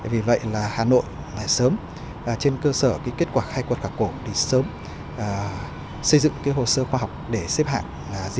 vì vậy là hà nội sớm trên cơ sở kết quả khai quật khảo cổ thì sớm xây dựng hồ sơ khoa học để xếp hạng